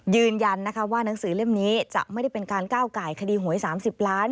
ยืนยันนะคะว่าหนังสือเล่มนี้จะไม่ได้เป็นการก้าวไก่คดีหวย๓๐ล้าน